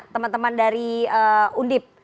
teman teman dari undip